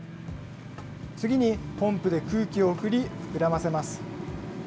次にポンプで空気を送り膨らませます。